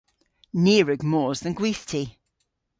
Ni a wrug mos dhe'n gwithti.